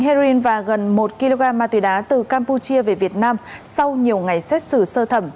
đang trên đường vận chuyển sáu bánh heroin và gần một kg ma túy đá từ campuchia về việt nam sau nhiều ngày xét xử sơ thẩm